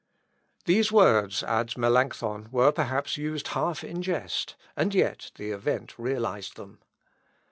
These words, adds Melancthon, were perhaps used half in jest, and yet the event realised them.